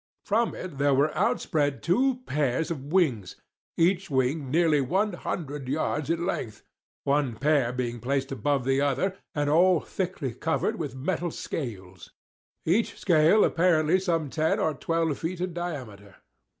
From it there were outspread two pairs of wings—each wing nearly one hundred yards in length—one pair being placed above the other, and all thickly covered with metal scales; each scale apparently some ten or twelve feet in diameter.